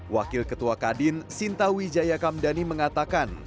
wakil ketua kadin sinta wijayakamdani mengatakan